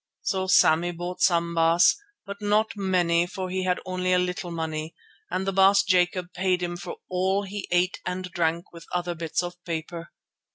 So Sammy bought some, Baas, but not many for he had only a little money, and the Baas Jacob paid him for all he ate and drank with other bits of paper.